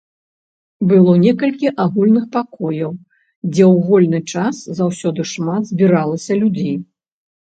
Было некалькі агульных пакояў, дзе ў вольны час заўсёды шмат збіралася людзей.